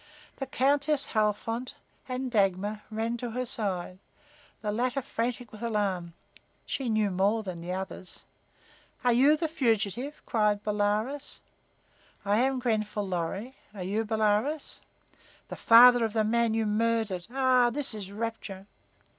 The Countess Halfont and Dagmar ran to her side, the latter frantic with alarm. She knew more than the others. "Are you the fugitive?" cried Bolaroz. I am Grenfall Lorry. Are you Bolaroz?' "The father of the man you murdered. Ah, this is rapture!"